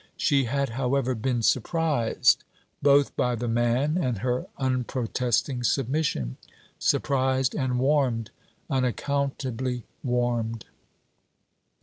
She had, however, been surprised, both by the man and her unprotesting submission; surprised and warmed, unaccountably warmed.